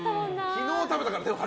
昨日食べたからね。